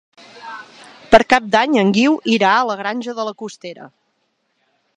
Per Cap d'Any en Guiu irà a la Granja de la Costera.